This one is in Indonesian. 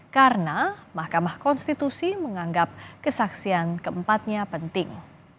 karena mahkamah konstitusi menganggap kesaksian keempatnya penting